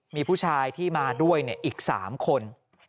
มีผู้ชายที่มาด้วยอีก๓คน